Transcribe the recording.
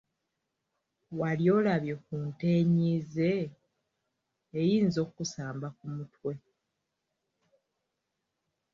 Wali olabye ku nte enyiize, eyinza okusamba ku mutwe.